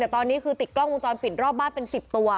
แต่ตอนนี้คือติดกล้องวงจรปิดรอบบ้านเป็น๑๐ตัว